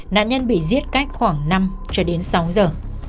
nạn nhân bị giết cách khoảng năm sáu giờ